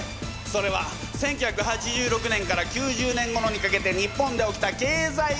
それは１９８６年から９０年ごろにかけて日本で起きた経済現象。